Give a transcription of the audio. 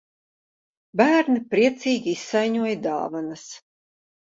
Bērni priecīgi izsaiņoja dāvanas.